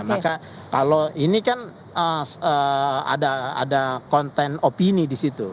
maka kalau ini kan ada konten opini di situ